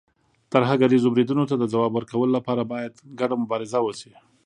ترهګریزو بریدونو ته د ځواب ورکولو لپاره، باید ګډه مبارزه وشي.